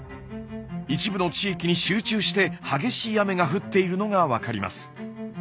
一部の地域に集中して激しい雨が降っているのが分かります。